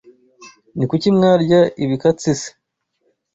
Ni Kuki Mwarya Ibikatsi se?